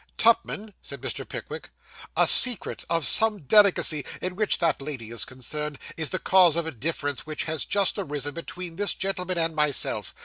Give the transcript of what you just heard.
'Tupman,' said Mr. Pickwick, 'a secret of some delicacy, in which that lady is concerned, is the cause of a difference which has just arisen between this gentleman and myself.